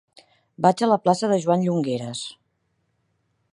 Vaig a la plaça de Joan Llongueras.